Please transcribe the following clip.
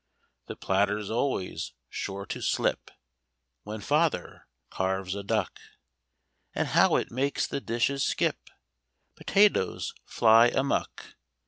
The platter's always sure to slip When Father carves a duck. And how it makes the dishes skip! Potatoes fly amuck!